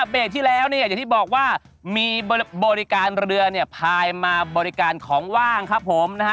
เบรกที่แล้วเนี่ยอย่างที่บอกว่ามีบริการเรือพายมาบริการของว่างครับผมนะฮะ